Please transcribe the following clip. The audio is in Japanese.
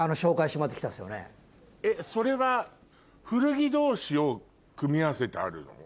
えっそれは古着同士を組み合わせてあるの？